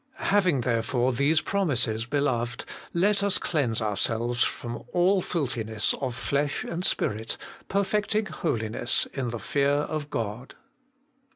' Having therefore these promises, beloved, let us cleanse ourselves from all filthiness of flesh and spirit, perfecting holiness in the fear of God.'